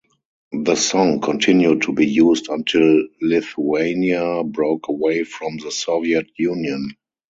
The song continued to be used until Lithuania broke away from the Soviet Union.